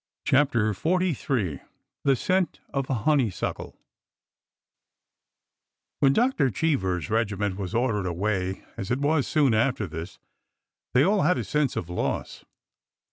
CHAPTER XLIII THE SCENT OF A HONEYSUCKLE W HEN Dr. Cheever's regiment was ordered away, as it was soon after this, they all had a sense of loss.